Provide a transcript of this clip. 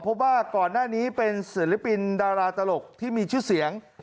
เพราะว่าก่อนหน้านี้เป็นศิลปินดาราตลกที่มีชื่อเสียง